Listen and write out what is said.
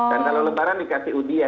dan kalau lebaran dikasih udia